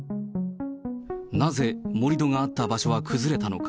なぜ盛り土があった場所は崩れたのか。